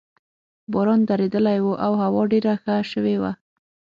باران درېدلی وو او هوا ډېره ښه شوې وه.